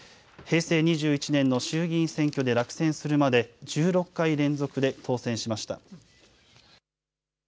平成２１年の衆議院選挙で落選するまで１６回連続で当選しました。